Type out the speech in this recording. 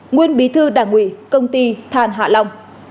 nguyên bí thư đảng ủy công ty than hạ long